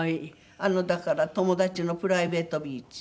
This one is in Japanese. だから友達のプライベートビーチ。